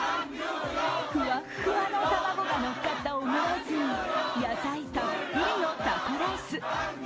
ふわっふわの卵が乗っかったオムライスに野菜たっぷりのタコライス。